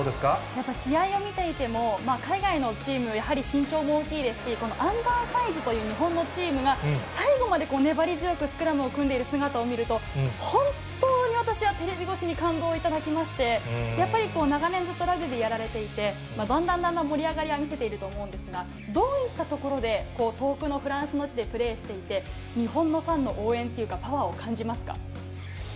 やっぱり試合を見ていても、海外のチーム、やはり身長も大きいですし、アンダーサイズという日本のチームが最後まで粘り強くスクラムを組んでいる姿を見ると、本当に私はテレビ越しに感動を頂きまして、やっぱり長年、ずっとラグビーやられていて、だんだんだんだん盛り上がりは見せていると思うんですが、どういったところで、遠くのフランスの地でプレーしていて、日本のファンの応援っていうか、パワーを感じますか？